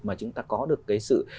mà chúng ta có được cái sự